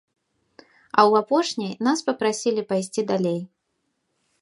А ў апошняй нас папрасілі пайсці далей.